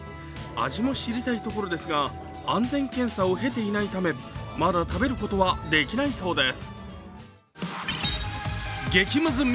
味も知りたいところですが、安全検査を経ていないためまだ食べることはできないそうです。